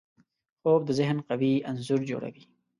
خوب د ذهن قوي انځور جوړوي